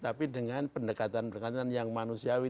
tapi dengan pendekatan pendekatan yang manusiawi